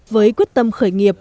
với quyết tâm khởi nghiệp